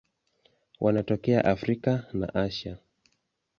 Wanatokea Afrika na Asia.